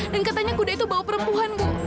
dan katanya kuda itu bawa perempuan bu